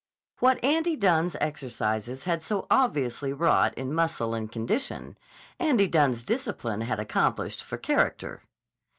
What Andy Dunne's exercises had so obviously wrought in muscle and condition, Andy Dunne's discipline had accomplished for character.